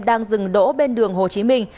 đang dừng đỗ bên đường hồ chí minh